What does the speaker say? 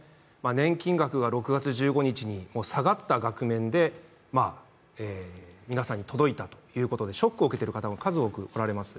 年金額が６月１５日に下がった額面で皆さんに届いたということでショックを受けてる方も数多くおられます。